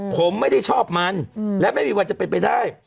ผมไม่ได้ชอบมันและไม่มีวันจะเป็นไปได้